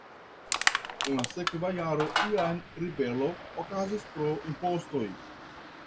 En la sekva jaro jam ribelo okazis pro impostoj.